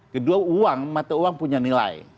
kedua uang mata uang punya nilai